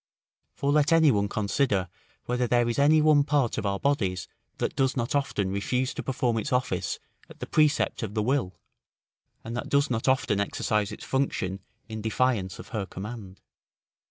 For let any one consider, whether there is any one part of our bodies that does not often refuse to perform its office at the precept of the will, and that does not often exercise its function in defiance of her command.